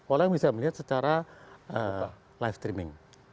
orang bisa melihat secara live streaming